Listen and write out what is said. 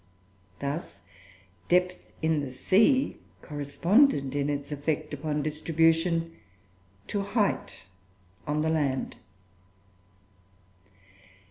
Thus depth in the sea corresponded in its effect upon distribution to height on the land.